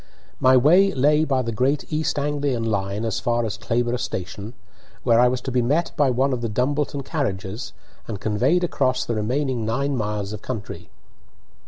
My way lay by the Great East Anglian line as far as Clayborough station, where I was to be met by one of the Dumbleton carriages and conveyed across the remaining nine miles of country.